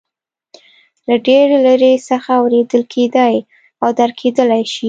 له ډېرې لرې څخه اورېدل کېدای او درک کېدلای شي.